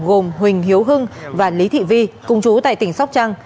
gồm huỳnh hiếu hưng và lý thị vi cùng chú tại tỉnh sóc trăng